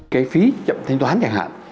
cái phí chậm thanh toán chẳng hạn